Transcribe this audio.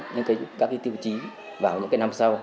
những các tiêu chí vào những năm sau